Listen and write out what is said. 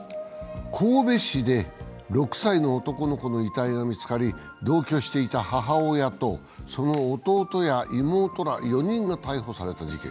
神戸市で６歳の男の子の遺体が見つかり同居していた母親と、その弟や妹ら４人が逮捕された事件。